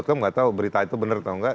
tidak tahu berita itu benar atau tidak